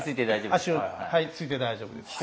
足をついて大丈夫です。